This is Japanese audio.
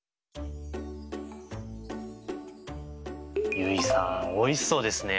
結衣さんおいしそうですね。